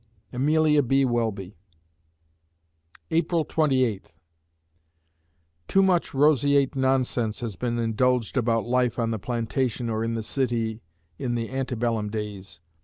AMELIA B. WELBY April Twenty Eighth Too much roseate nonsense has been indulged about life on the plantation or in the city in the ante bellum days.